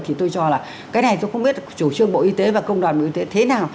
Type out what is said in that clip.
thì tôi cho là cái này tôi không biết chủ trương bộ y tế và công đoàn bộ y tế thế nào